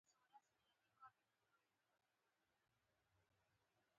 روحي فشار او اعصابو ناراحتي لامل ګرځي.